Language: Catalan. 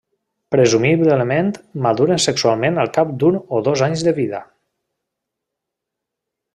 Presumiblement maduren sexualment al cap d'un o dos anys de vida.